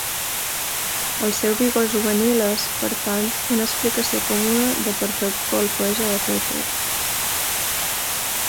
El seu vigor juvenil és, per tant, una explicació comuna de per què colpeja a Peter.